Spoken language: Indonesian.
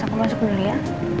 aku masuk dulu ya